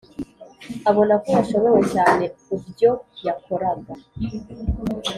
abona ko yashobewe cyane ubyo yakoraga